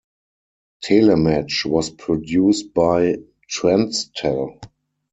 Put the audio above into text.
Telematch was produced by Transtel.